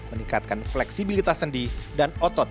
meningkatkan fleksibilitas sendi dan otot